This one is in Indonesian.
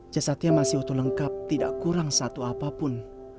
jasadnya masih utuh lengkap tidak kurang satu apapun